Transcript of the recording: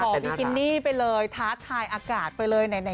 บิกินี่ไปเลยท้าทายอากาศไปเลยไหน